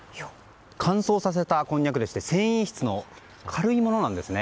乾燥させたこんにゃくで繊維質の軽いものなんですね。